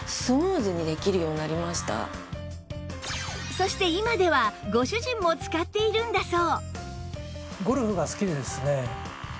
そして今ではご主人も使っているんだそう